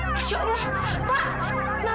masya allah pak